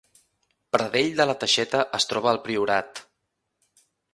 Pradell de la Teixeta es troba al Priorat